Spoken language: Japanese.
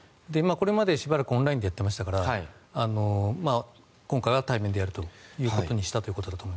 これまでしばらくオンラインでやってましたから今回は対面でやるということにしたんだと。